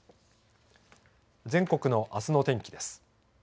全国のあすの天気です。